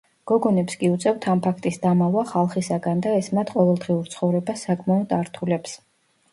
გოგონებს კი უწევთ ამ ფაქტის დამალვა ხალხისაგან და ეს მათ ყოველდღიურ ცხოვრებას საკმაოდ ართულებს.